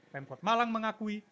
pemkot malang mengakui